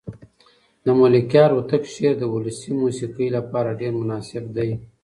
د ملکیار هوتک شعر د ولسي موسیقۍ لپاره ډېر مناسب دی.